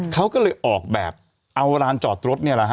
เขาก็เลยออกแบบเอาร้านจอดรถนี่แหละฮะ